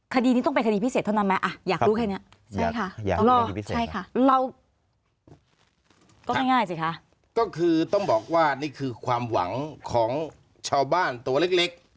ก็ไม่ง่ายสิคะก็คือต้องบอกว่านี่คือความหวังของชาวบ้านตัวเล็ก